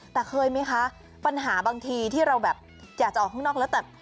แต่เคยไหมคะปัญหาบางทีที่เราแบบอยากจะออกข้างนอกแล้วแต่